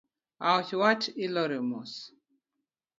Aoch wat ilore mos